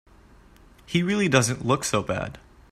He really doesn't look so bad.